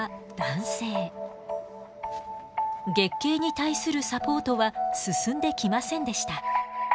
月経に対するサポートは進んできませんでした。